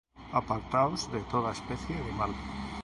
Apartaos de toda especie de mal.